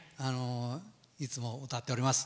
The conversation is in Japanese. いつも歌っております。